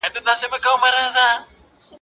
o د سپي دم زده کړه، خو سوټى له لاسه مه غورځوه.